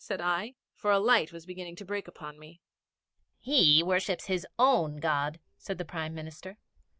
said I, for a light was beginning to break upon me. 'He worships his own God,' said the Prime Minister.